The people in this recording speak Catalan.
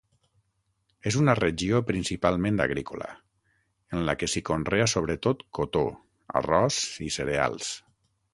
És una regió principalment agrícola, en la que s'hi conrea, sobretot, cotó, arròs i cereals.